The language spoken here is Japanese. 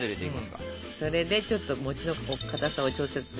それでちょっと餅のかたさを調節していきますね。